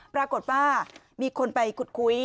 ปรากฏว่ามีคนไปขุดคุย